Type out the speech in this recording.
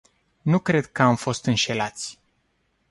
Nu cred că am fost înșelați.